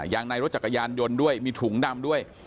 อย่างในรถจักรยานยนต์ด้วยมีถุงดำด้วย